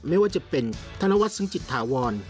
ไม่ว่าจะเป็นธนวัฒนซึ้งจิตถาวร